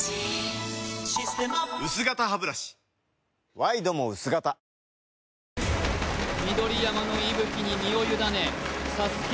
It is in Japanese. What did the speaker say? ワイドも薄型緑山の息吹に身を委ねＳＡＳＵＫＥ